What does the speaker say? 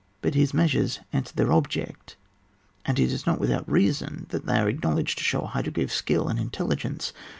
But his measures ans wered their object, and it is not without reason that they are acknowledged to show a high degree of skill and intelli gence.